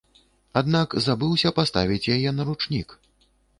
Аднак забыўся паставіць яе на ручнік.